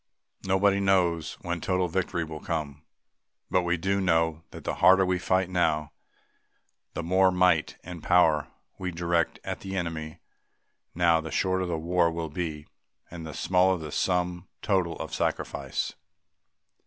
Nobody knows when total victory will come but we do know that the harder we fight now, the more might and power we direct at the enemy now, the shorter the war will be and the smaller the sum total of sacrifice.